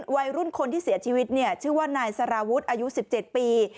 วัยรุ่นคนที่เสียชีวิตเนี่ยชื่อว่านายสารวุฒิอายุ๑๗ปี